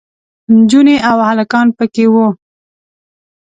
نجونې او هلکان پکې وو.